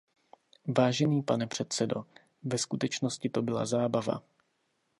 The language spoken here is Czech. Vážený pane předsedo, ve skutečnosti to byla zábava.